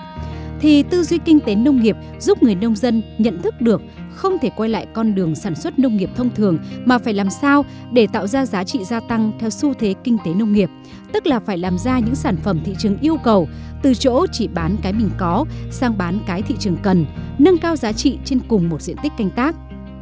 nếu như tư duy kinh tế nông nghiệp giúp người nông dân nhận thức được không thể quay lại con đường sản xuất nông nghiệp thông thường mà phải làm sao để tạo ra giá trị gia tăng theo xu thế kinh tế nông nghiệp tức là phải làm ra những sản phẩm thị trường yêu cầu từ chỗ chỉ bán cái mình có sang bán cái thị trường cần nâng cao giá trị trên cùng một diện tích canh tác